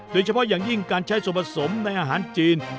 โดยเฉพาะอย่างยิ่งการใช้ส่วนผสมในอาหารจีน